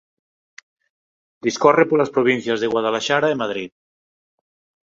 Discorre polas provincias de Guadalaxara e Madrid.